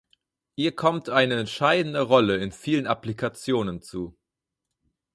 Ihr kommt eine entscheidende Rolle in vielen Applikationen zu.